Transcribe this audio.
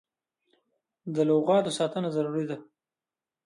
د لغتانو ساتنه ضروري ده.